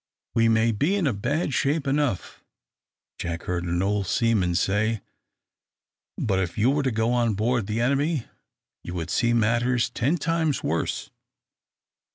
"We may be in a bad state enough," Jack heard an old seaman say, "but if you were to go on board the enemy, you would see matters ten times worse.